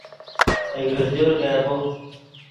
اہ گرجار کائ با